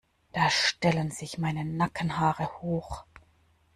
Da stellen sich meine Nackenhaare hoch.